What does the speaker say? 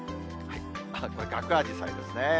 これ、ガクアジサイですね。